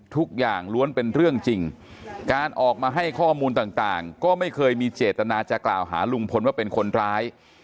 ล้วนเป็นเรื่องจริงการออกมาให้ข้อมูลต่างก็ไม่เคยมีเจตนาจะกล่าวหาลุงพลว่าเป็นคนร้าย